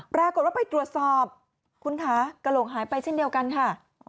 ปรากฏว่าไปตรวจสอบคุณคะกระโหลกหายไปเช่นเดียวกันค่ะ